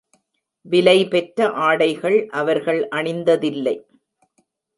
விலைபெற்ற ஆடைகள் அவர்கள் அணிந்ததில்லை.